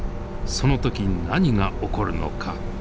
その時何が起こるのか。